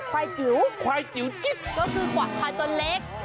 ควายจิ๋วควายจิ๋วจิ๊บก็คือกว่าควายตัวเล็ก